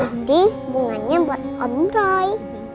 nanti bunganya buat om roy